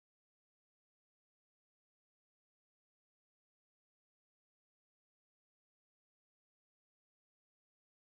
aduh ibu jangan melahirkan di sini dulu bu